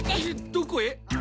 どこへ？